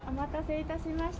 お待たせいたしました。